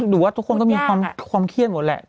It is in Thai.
หรือว่าทุกคนก็มีความเครียดหมดแหละ